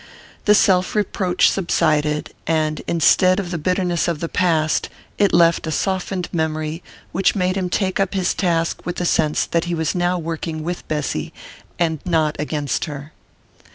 The self reproach subsided; and, instead of the bitterness of the past, it left a softened memory which made him take up his task with the sense that he was now working with Bessy and not against her.